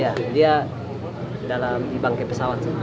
iya dia di dalam bangkai pesawat